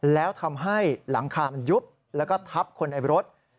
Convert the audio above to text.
แล้วทำให้หลังคามันยุบแล้วก็ทับคนในรถ